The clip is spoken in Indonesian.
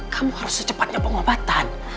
kamu harus secepatnya pengobatan